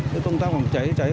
thì chúng ta còn cháy cháy